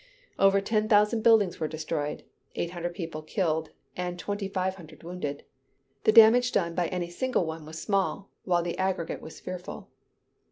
Over ten thousand buildings were destroyed, eight hundred people killed, and twenty five hundred wounded. The damage done by any single one was small, while the aggregate was fearful.